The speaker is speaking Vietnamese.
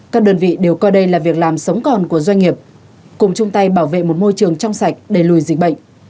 các đơn vị đều coi đây là việc làm sống còn của doanh nghiệp cùng chung tay bảo vệ một môi trường trong sạch đẩy lùi dịch bệnh